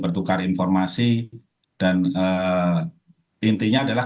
bertukar informasi dan intinya adalah